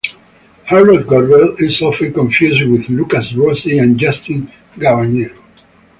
Jarrod Gorbel is often confused with Lukas Rossi and Justin Cavagnero.